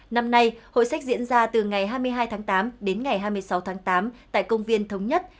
năm nay hội sách diễn ra từ ngày hai mươi hai tháng tám đến ngày hai mươi sáu tháng tám tại công viên thống nhất